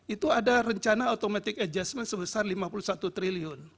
itu ada rencana automatic adjustment sebesar rp lima puluh satu triliun